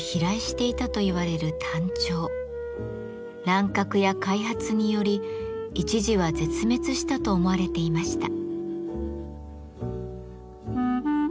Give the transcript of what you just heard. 乱獲や開発により一時は絶滅したと思われていました。